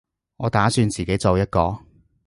我打算自己做一個